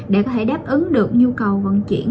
để có thể đáp ứng được nhu cầu vận chuyển